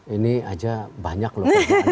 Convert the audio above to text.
ini aja banyak loh